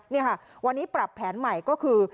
นี่ค่ะวันนี้ปรับแผนใหม่ก็คือ